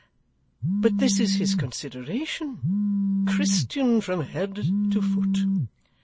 But this is his consideration! Christian from head to foot.